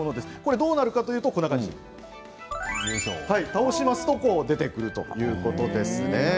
どうなるかというとこんな感じ、倒しますと出てくるということですね。